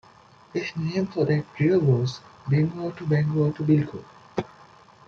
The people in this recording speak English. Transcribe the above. His name for that trio was "Bingo to Bango to Bilko".